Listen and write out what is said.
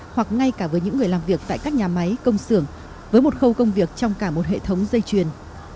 hoặc ngay cả với những người làm việc tại các nhà máy công xưởng với một khâu công việc trong cả một hệ thống dây chuyền